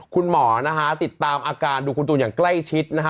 คุณหมอนะฮะติดตามอาการดูคุณตูนอย่างใกล้ชิดนะฮะ